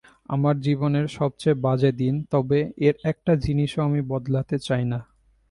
আমার জীবনের সবচেয়ে বাজে দিন, তবে এর একটা জিনিসও আমি বদলাতে চাই না।